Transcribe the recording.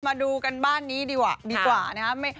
มาดูกันบ้านนี้ดีกว่าดีกว่านะครับ